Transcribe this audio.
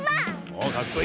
おっかっこいい。